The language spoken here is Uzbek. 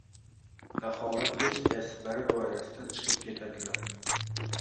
Daholar o’z kasblari doirasidan chiqib ketadilar.